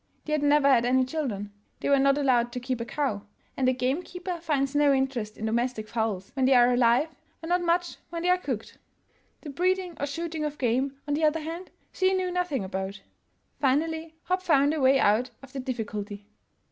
They had never had any children; they were not allowed to keep a cow; and a gamekeeper finds no interest in domestic fowls* when they are alive, and not much when they are cooked. The breeding or shooting of game, on the other hand, she knew nothing about. Finally Hopp found a way out of the difficulty.